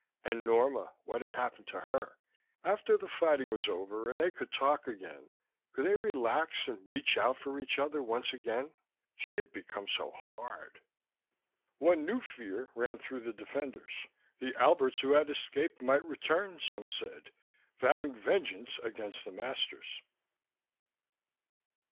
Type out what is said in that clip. And Norma ... what had happened to her? After the fighting was over, and they could talk again, could relax and reach out for each other once again.... She had become so hard.... One new fear ran through the defenders. The Alberts who had escaped might return, some said, vowing vengeance against the masters....